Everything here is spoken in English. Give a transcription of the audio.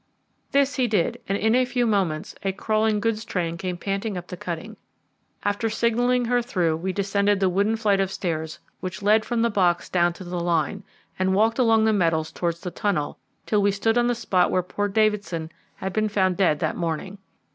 This he did, and in a few moments a crawling goods train came panting up the cutting. After signalling her through we descended the wooden flight of steps which led from the box down to the line and walked along the metals towards the tunnel till we stood on the spot where poor Davidson had been found dead that morning.